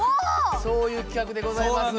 そういう企画でございます。